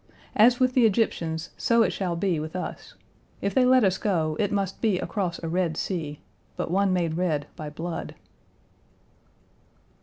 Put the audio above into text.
As with the Egyptians, so it shall be with us: if they let us go, it must be across a Red Sea but one made red by blood.